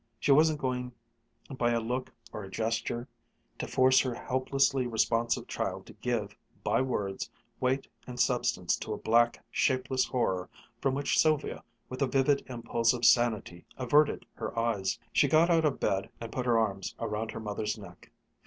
She wasn't going by a look or a gesture to force her helplessly responsive child to give, by words, weight and substance to a black, shapeless horror from which Sylvia with a vivid impulse of sanity averted her eyes. She got out of bed and put her arms around her mother's neck.